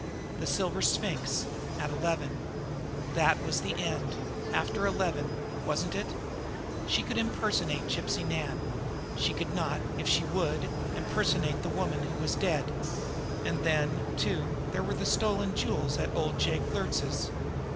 The Silver Sphinx at eleven! That was the end after eleven wasn't it? She could impersonate Gypsy Nan; she could not, if she would, impersonate the woman who was dead! And then, too, there were the stolen jewels at old Jake Luertz's!